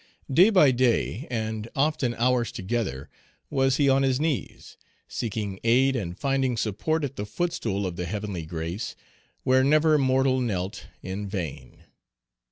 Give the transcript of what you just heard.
Day by day, and often hours together, was he on his knees, seeking aid and finding support at the footstool of the heavenly grace, where never mortal knelt in vain.